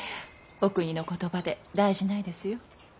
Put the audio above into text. お国の言葉で大事ないですよ。